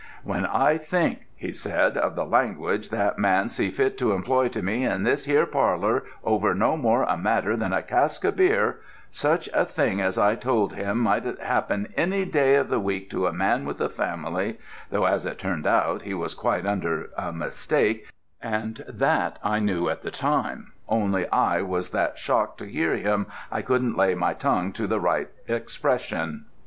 "When I think," he said, "of the language that man see fit to employ to me in this here parlour over no more a matter than a cask of beer such a thing as I told him might happen any day of the week to a man with a family though as it turned out he was quite under a mistake, and that I knew at the time, only I was that shocked to hear him I couldn't lay my tongue to the right expression."